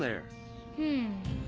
うん。